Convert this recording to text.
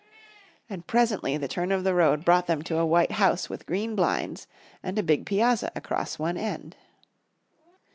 And presently the turn of the road brought them to a white house with green blinds and a big piazza across one end.